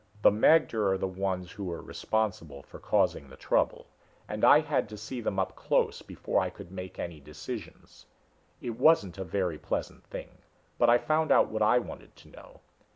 "The magter are the ones who are responsible for causing the trouble, and I had to see them up close before I could make any decisions. It wasn't a very pleasant thing, but I found out what I wanted to know.